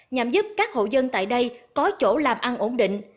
nhằm giúp các hộ dân tại đây có chỗ làm ăn ổn định